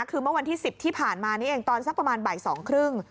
คือเมื่อวันที่๑๐ที่ผ่านมานี้เองตอนสักประมาณบ่ายสองครึ่ง